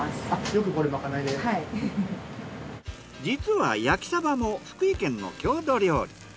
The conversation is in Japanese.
実は焼きサバも福井県の郷土料理。